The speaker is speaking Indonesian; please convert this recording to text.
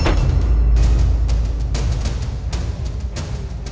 sampai jumpa di video selanjutnya